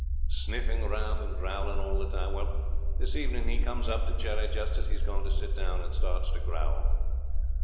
Sniffing round and growling all the time. Well, this evening he comes up to Jerry just as he's going to sit down, and starts to growl.